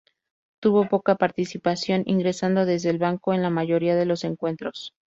Tuvo poca participación, ingresando desde el banco en la mayoría de los encuentros.